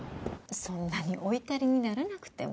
そんなにお怒りにならなくても。